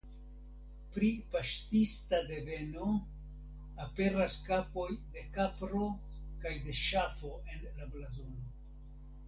Pri paŝtista deveno aperas kapoj de kapro kaj de ŝafo en la blazono.